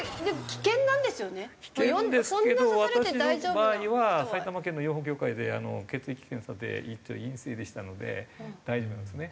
危険ですけど私の場合は埼玉県の養蜂協会で血液検査で一応陰性でしたので大丈夫なんですね。